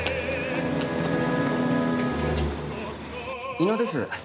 猪野です。